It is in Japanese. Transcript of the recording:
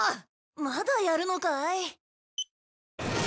まだやるのかい？